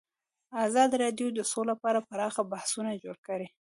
ازادي راډیو د سوله په اړه پراخ بحثونه جوړ کړي.